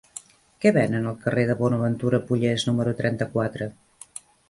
Què venen al carrer de Bonaventura Pollés número trenta-quatre?